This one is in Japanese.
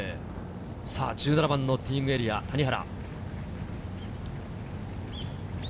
１７番のティーイングエリア、谷原。